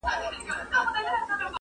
د دې قلا او د خانیو افسانې یادي وې!